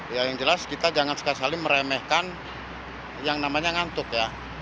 ya yang jelas kita jangan sekali meremehkan yang namanya ngantuk ya